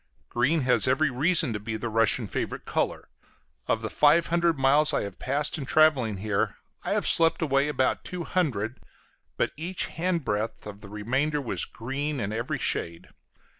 Green has every reason to be the Russian favorite color. Of the five hundred miles I have passed in traveling here, I have slept away about two hundred, but each hand breadth of the remainder was green in every shade.